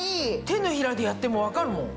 手のひらでやっても分かるもん。